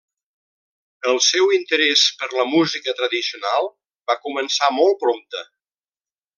El seu interés per la música tradicional va començar molt prompte.